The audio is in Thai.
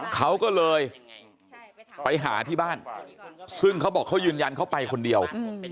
เขาก็เลยไปหาที่บ้านซึ่งเขาบอกเขายืนยันเขาไปคนเดียว